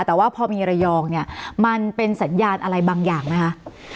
แต่ว่าพอมีระยองเนี่ยมันเป็นสัญญาณอะไรบางอย่างไหมคะ